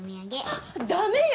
あっ駄目よ